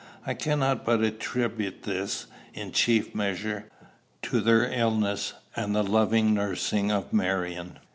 I cannot but attribute this, in chief measure, to their illness and the lovely nursing of Marion.